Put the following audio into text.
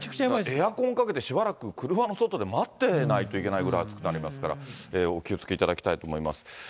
エアコンかけてしばらく車の外で待ってないといけないぐらい熱くなりますから、お気をつけいただきたいと思います。